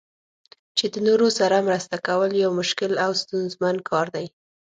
چې د نورو سره مرسته کول یو مشکل او ستونزمن کار دی.